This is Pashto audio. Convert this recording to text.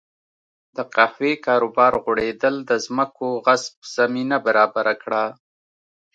د قهوې کاروبار غوړېدل د ځمکو غصب زمینه برابره کړه.